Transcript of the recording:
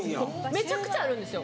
めちゃくちゃあるんですよ。